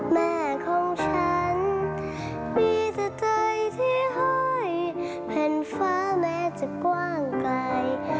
แม่ของฉันมีแต่ใจที่ห้อยแผ่นฟ้าแม้จะกว้างไกล